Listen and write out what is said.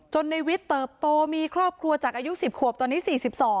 ในวิทย์เติบโตมีครอบครัวจากอายุ๑๐ขวบตอนนี้๔๒